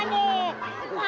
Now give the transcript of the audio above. aduh aduh aduh aduh